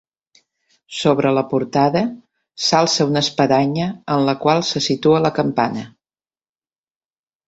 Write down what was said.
Sobre la portada s'alça una espadanya en la qual se situa la campana.